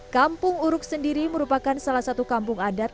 kampung uruk sendiri merupakan salah satu kampung adat